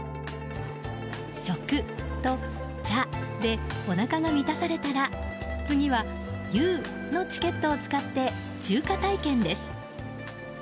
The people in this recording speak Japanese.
食と茶でおなかが満たされたら次は遊のチケットを使って中華体験です。